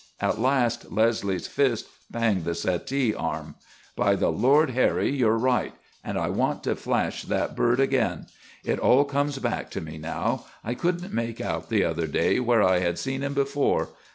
At last Leslie's fist banged the settee arm. "By the Lord Harry, you're right! And I want to flash that bird again! It all comes back to me now; I couldn't make out the other day where I had seen him before.